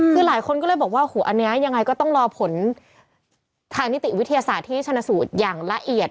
คือหลายคนก็เลยบอกว่าหูอันนี้ยังไงก็ต้องรอผลทางนิติวิทยาศาสตร์ที่ชนะสูตรอย่างละเอียด